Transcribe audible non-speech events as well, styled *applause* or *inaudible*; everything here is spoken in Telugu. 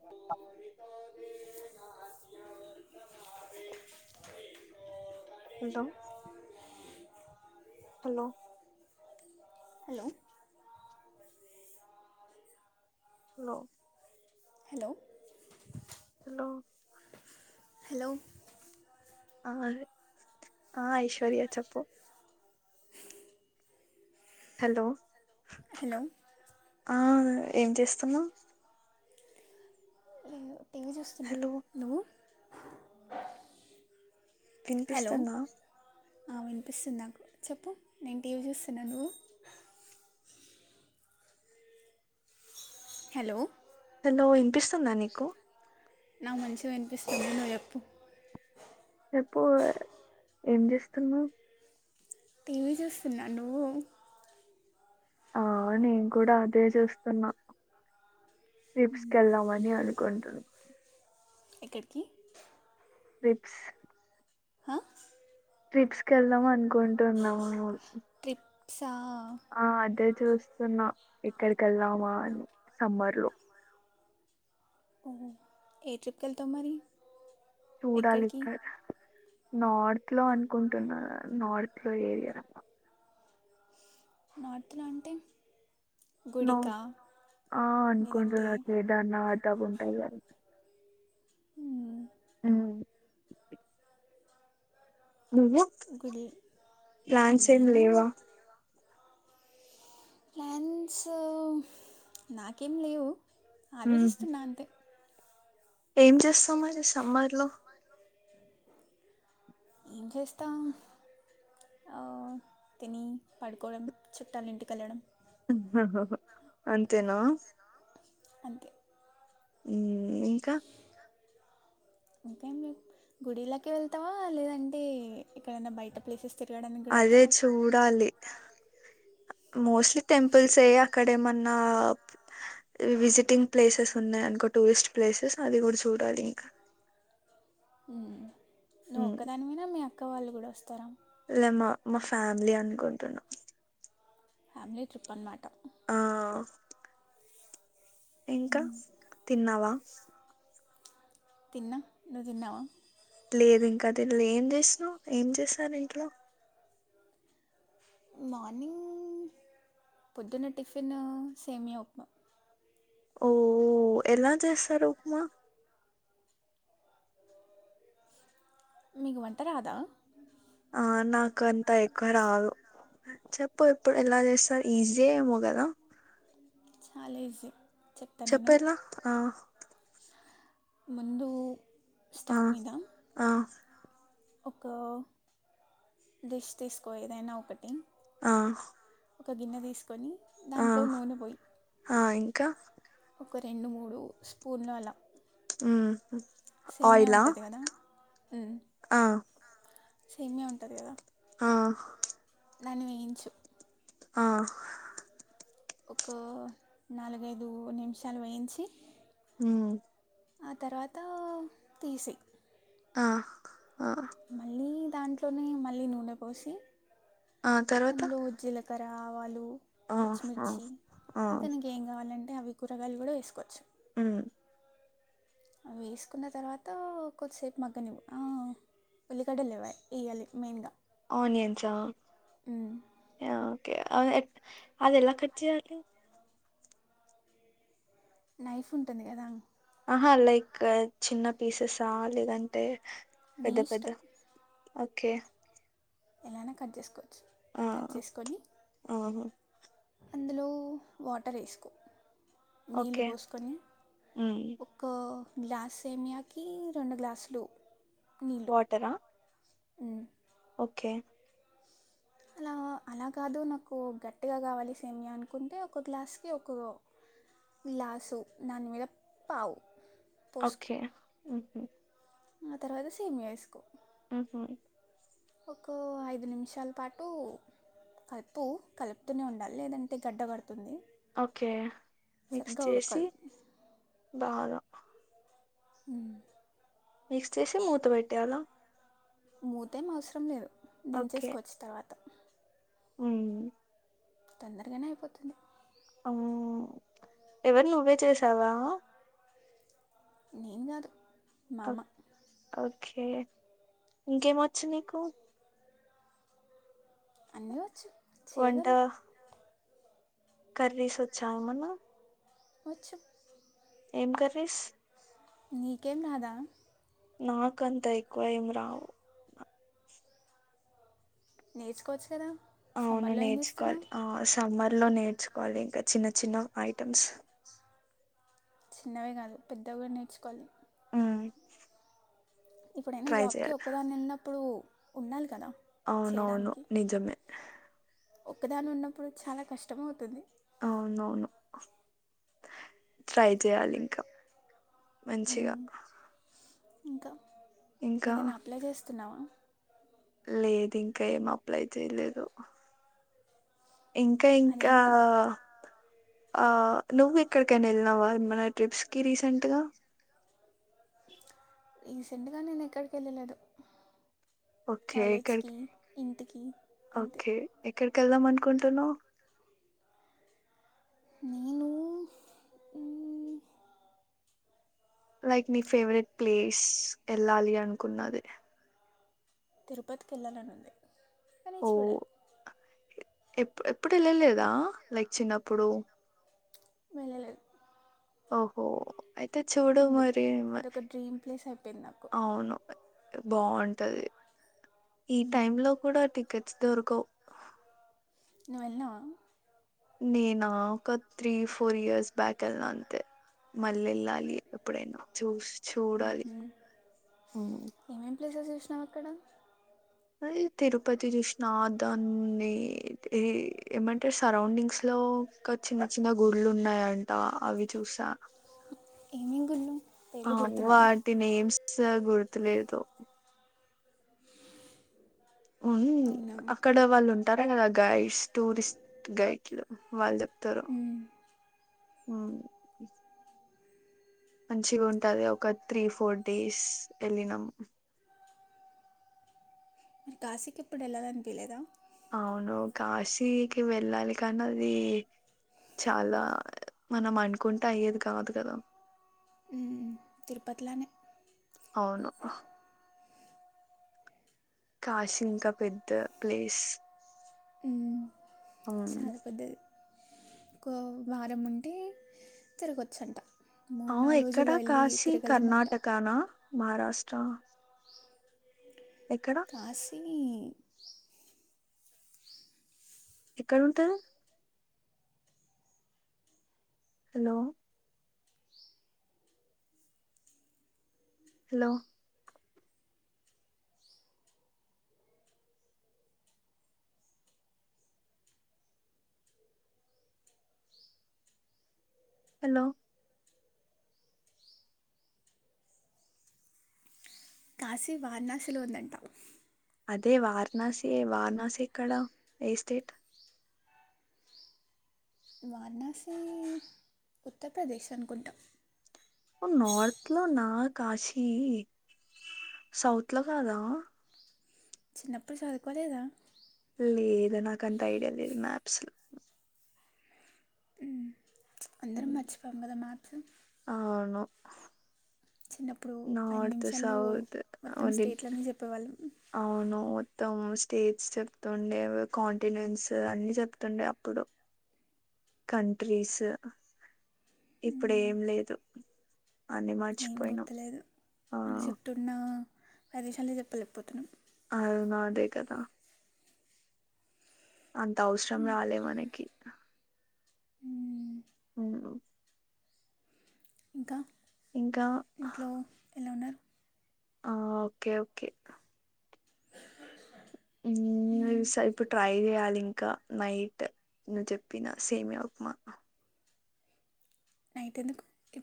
*unintelligible* వెళ్తావా hello hello hello hello hello hello ఆ ఆ ఐశ్వర్య చెప్పు హలో హలో ఆ ఏం చేస్తున్నావు ఎం చేస్తున్నావు హలో నువ్వు వినిపిస్తున్న వినిపిస్తుంద నాకు చెప్పు నేను టీవీ చూస్తున్నా నువ్వు హలో హలో వినిపిస్తుందా నీకు నాకు మంచిగా వినిపిస్తుంది నువ్ చెప్పు చెప్పు ఏం చేస్తునావ్ టీవీ చూస్తున్నా నువ్వు ఆ నేను కూడా అదే చేస్తున్నా *unintelligible* వెళ్ళామని అనుకుంటు ఎక్కడికి ట్రిప్స్ ఆ ట్రిప్స్ కి వెళ్దాం అనుకుంటున్నాము త్రి ఆ అదే చూస్తున్నా ఎక్కడికి వెళ్ళామా అని సమ్మర్ లో ఓహ ఏ ట్రిప్ వెళ్తాం మరి చూడలీ ఎక్కడికి ఇక నార్త్ లో అనుకుంటున్నా నార్త్ లో ఏరియ నార్త్ లో అంటే గుడికా ఆ అనుకుంటు లేదంటే న ఏదనా అద్ద ఉంటాయి కా హు ఉ నువ్వు గుడి ప్లాన్స్ ఏం లేవ నేను ప్లాన్స్ నాకేం లేవు ఆలోచిస్తున్నా అంతే ఎం చేస్తావ్ మరి సమ్మర్ లో ఏం చేస్తాం తిని పడుకోవడం చుట్టాలు ఇంటికి వెళ్ళడం అంతేన అంతే ఉ ఇంక ఇంకే గుడిలాకి వెళ్తావా లేదంటే ఎక్కడనా బయట ప్లేసెస్ తిరగడానికి కూడా అదే వెళ్తావా చూడాలి మోస్ట్లీ టెంపుల్స్ ఏ అక్కడేమన్న ఉన్న విజిటింగ్ ప్లేసెస్ ఉన్నాయ అనుకో టూరిస్ట్ ప్లేసెస్ అది కూడా చూడాలి ఇంకా నువ్వు మ్మ్ ఒక్కదాని వేన మీ అక్క వాళ్ళు కూడ వస్తారా లే మా మా ఫ్యామిలీ అనుకుంటున్నా ఫ్యామిలీ ట్రిప్ అనమాట ఆ ఇంక మ్మ్. తిన్నావా తిన్నా నువ్వు తిన్నవ లేదు ఇంకా దీనిలో ఏం చేసిన ఏం చేసారు ఇంట్లో మార్నింగ్ పొద్దున్న టిఫిన్ సేమియ ఉప్మా ఓ ఎలా చేస్తారు ఉప్మా మీకు వంట రాదా ఆ నాకు అంత ఎక్కువ రాదు చెప్పు ఇప్పుడు ఎలా చేస్తార ఈజీ‌ ఏమో గదా చాలా ఈజీ చెప్తా నేను చెప్పెలా ఆ ముందు ఆ స్టవ్ మీద ఆ ఒక డిష్ తీసుకో ఏదైనా ఒకటి ఆ ఒక గిన్నె తీసుకొని ఆ దాంట్లో నూనె పోయి ఆ ఇంకా ఒక రెండు మూడు స్పూన్లు అలా సేమియా ఆయిలా ఉంటుంది కదా ఆ సేమ్యా ఉంటది కదా ఆ దాన్ని వేయించు ఆ ఒక నాలుగైదు నిమిషాలు వేయించి ఊ ఆ తర్వాత తీసై ఆ మళ్ళీ దాంట్లోనే మళ్ళీ నూనె పోసి ఆ తర్వాత అందులో‌ జీల కరా ఆవాలు ఆ ఆ పచ్చిమిర్చి ఆ ఇంకా నీకెం కావాలం అంటే అవి కూరగాయలు కూడా వేసుకోవచ్చు ఊ అవి వేసుకున్న తర్వాత కొద్దిసేపు మగ్గనివ్వు ఆ ఉల్లిగడ్డ లేవ ఇయ్యాలి మెయిన్గా ఓనియన్స్ ఆ యా ఓకే అ ఎ అది ఎలా కట్ చేయాలి నైఫ్ ఉంటుంది కదా ఆహా లైక్ చిన్న పీసెసా లేదంటే నీ పెద్ద పెద్ద ఇష్టం ఓకే ఎలా ఐనా కట్ చేసుకో ఆ అవును అందులో వాటర్ వేసుకో నీళ్ళు ఓకే పోసుకొని మ్మ్ ఒక్క గ్లాస్ సేమియాకి రెండు గ్లాసులు నీళ్ళు వాటరా ఓకే అలా అలా కాదు నాకు గట్టిగా కావాలి సేమియ అనుకుంటే ఒక గ్లాస్కి ఒక గ్లాసు దాని మీద పావు పోసుకో ఓకే ఊహూ ఆ తర్వాత సేమియా వేసుకో ఊహూ ఒకో ఐదు నిమిషాలు పాటు కలుపు కలుపుతూనే ఉండాలి లేదంటే గడ్డ గడుతు ఓకే. మిక్స్ సరిగ్గా చేసి ఉడకాలి బాగా ఊ మిక్స్ చేసి మూత పెెట్టాల మూతే ఏం అవసరం లేదు దించేసుకవచ్చి తర్వాత అ తొందరగానే అయిపోతుంది అ ఎవరి నువ్వే చేసావా నేను కాదు ఓ మామ్మ ఓకే ఇంకేమ వచ్చు నీకు అన్ని వచ్చు వంట చేయగలను కర్రీస్ వచ్చా ఏమన్నా వచ్చు ఏం కరిస్ నీకేం రాదా నాకంతా ఎక్కువ ఏం రావు నేర్చుకోవచ్చుారా అవును నేర్చుకోవాలి ఆ సమ్మర్ లో నేర్చుకోవాలి ఇంకా చిన్న చిన్న ఐటమ్స్ చిన్నవే కాదు పెద్దవి కూడా నేర్చుకోవాలి ఆ ఇప్పుడైనా జాబ్కి ఒక్కదాని నిన్నప్పుడు ఉండాలి కదా అవునవును చేయడానికి నిజమే ఒక్కదాని ఉన్నప్పుడు చాలా కష్టమ అవుతుంది అవునవును ట్రై చెయాలి ఇంకా మంచిగా ఇంకా ఇంకా ఏదైనా అప్లై చేస్తున్నావా లేదు ఇంకా ఏం అప్లై చేయలేదు ఇంకా ఇంకా అదేంటి ఆ నువ్వు ఇక్కడికనా వెళ్ళినవా మన ట్రిప్స్ కి రీసెంట్గా రీసెంట్గా నేను ఎక్కడికి వెళ్ళలేదు ఓకే కాలేజ్కి ఎక్కడికి ఇంటికి అంతే ఓకే ఎక్కడికి వెళ్దాం అనుకుంటును నేను లైక్ నీ ఫేవరెట్ ప్లేస్ వెళ్ళాలి అనుకున్నది తిరుపతికి వెళ్లాలని ఉంది అని ఓ చూడాలి ఎప్పు ఎప్పుడు వెళ్ళలేదా లైక్ చిన్నప్పుడు వెళ్ళలేదు ఓహో అయితే చూడు అందుకే మరి అదొక డ్రీమ్ ప్లేస్ అయిపోయింది నాకు అవును బాగుంటది ఈ టైమ్ లో నువ్వు కూడా టికెట్స్ దొరకవు నువ్వెన్నావా నేనా ఒక త్రీ ఫోర్ ఇయర్స్ బ్యాక్ వెళ్లా అంతే మళ్ళీ వెళ్ళాలి ఎప్పుడైనా చూసి చూడాలి పలేసో చూసినాం అక్కడ అ తిరుపతి చూసిన దాన్ని ఏమంటారు సరౌండింగ్స్ లో ఒక చిన్న చిన్న గుళ్లు ఉన్నాయంట అవి చూసా ఏమేమి గుళ్ళు ఆ పేర్లు గుర్తున్నాయా వాటి నేమ్స్ స గుర్తులేదు ఉ అవునా అక్కడ వాళ్ళు ఉంటారా కదా గైడ్స్ టూరిస్ట్ గైడ్లు వాళ్ళు చె త్తరు మ్మ్. మ్మ్ మంచిగా ఉంటది ఒక త్రీ ఫోర్ డేస్ వెళ్ళినాము మరి కాశీకి ఎప్పుడు వెళ్లాలనిపియ్యలేదా అవును కాశీకి వెళ్ళాలి కానీ అది చాలా మనం అనుకుంటే అయ్యేది కాదు కదా మ్మ్. తిరుపతిలానే అవును కాశి ఇంకా పెద్ద ప్లేస్ ఆ చాలా పెద్దది ఒక వారం ఉంటే తిరుగువచ్చంట అవు ఎక్కడా కాశీ కర్ణాటకానా మహారాష్ట్ర ఎక్కడ కాశీ ఎక్కడ ఉంటంది హలో హలో హలో కాశీ వారణాసిలో ఉందంటాం అదే వారణాసి వారణాసి ఎక్కడ ఏ స్టేట్ వారణాసి ఉత్తరప్రదేశ్ అనుకుంటాం నార్త్ లో నా కాశీ సౌత్ లో కాదా చిన్నప్పుడు చదువుకోలేదా లేదు నాకు అంత ఐడియా లేదు మ్యాప్స్ అందరం మర్చిపోము కదా మ్యాప్స్ ఆ అవును చిన్నప్పుడు ఐదు నార్త్ నిమిషాల్లో సౌత్ మొత్తం ఆల్ ఇన్ స్టేట్లన్నీ చెప్పేవాళ్ళం అవును మత్తము స్టేట్స్ చెప్తుండే కాంటినెంస్ అన్ని చెప్తుండే అప్పుడు కంట్రీస్ ఇప్పుడు ఏం లేదు అన్ని ఏం మర్చిపోయినాం గుర్తులేదు ఆ మన చుట్టు ఉన్న ప్రదేశాలే చెప్పలేకపోతున్నాం అవునా అదే కదా అంత అవసరం రాలే మనకి ఉమ్మ్ అవునా ఇంకా ఇంకా ఇంట్లో ఎలా ఉన్నారు ఆ ఓకే ఓకే మ్మ్ చూస్తా ఇప్పుడు ట్రై చేయాలి ఇంకా నైట్ నువ్వు చెప్పిన సేమ్యా ఉప్మా నైట్ ఎందుకు